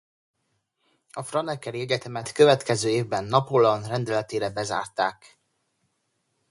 A franekeri egyetemet a következő évben Napóleon rendeletére bezárták.